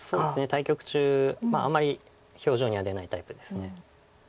対局中あんまり表情には出ないタイプです。